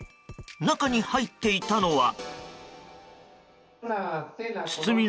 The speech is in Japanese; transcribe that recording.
中に入っていたのは。